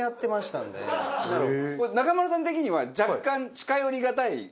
中丸さん的には若干近寄りがたい？